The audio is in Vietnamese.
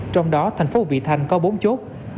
trong đó thành phố vị thanh có bốn chốt